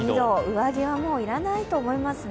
上着はもう要らないと思いますね。